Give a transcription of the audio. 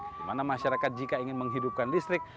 dimana masyarakat jika ingin menghidupkan listrik